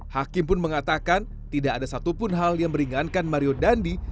hakim pun mengatakan tidak ada satupun hal yang meringankan mario dandi